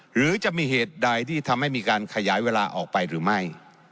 หรือจะมีเหตุใดที่ทำให้มีการขยายเวลาออกไปหรือไม่